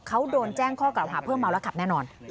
เขาโดนแจ้งข้อกล่าวหาเพิ่มเมาแล้วขับแน่นอน